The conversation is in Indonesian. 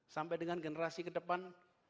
sampai dengan generasi ke depan